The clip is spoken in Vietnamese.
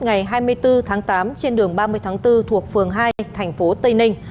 ngày hai mươi bốn tháng tám trên đường ba mươi tháng bốn thuộc phường hai thành phố tây ninh